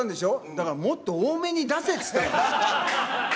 だから、もっと多めに出せ！って言ったの。